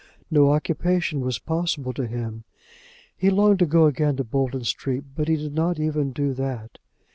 No occupation was possible to him. He longed to go again to Bolton Street, but he did not even do that.